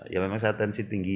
ya memang saya tensi tinggi ya